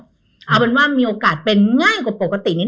โรคระบาดการไม่ใส่ใจตัวเองทำงานมาเกินไปพักปอนด์ไม่เป็นได้หมด